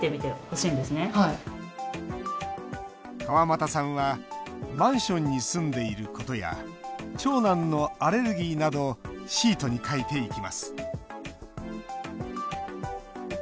川俣さんはマンションに住んでいることや長男のアレルギーなどシートに書いていきます。